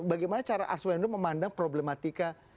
bagaimana cara ars windu memandang problematika